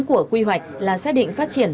của quy hoạch là xác định phát triển